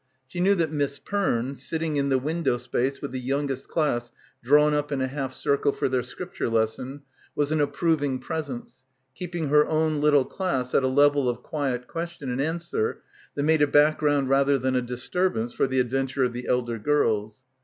She knew that Miss Perne, sitting in the window space with the young est class drawn up in a half circle for their Scrip ture lesson, was an approving presence, keeping her own little class at a level of quiet question and answer that made a background rather than a dis turbance for the adventure of the elder girls.